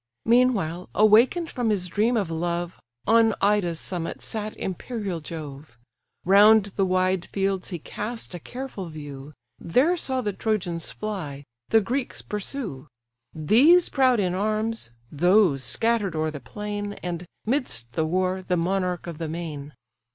Meanwhile, awaken'd from his dream of love, On Ida's summit sat imperial Jove: Round the wide fields he cast a careful view, There saw the Trojans fly, the Greeks pursue; These proud in arms, those scatter'd o'er the plain And, 'midst the war, the monarch of the main.